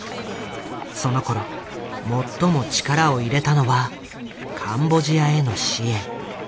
そのころ最も力を入れたのはカンボジアへの支援。